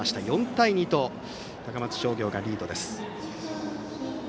４対２と高松商業がリードです。